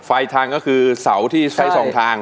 ทางก็คือเสาที่ใช้สองทาง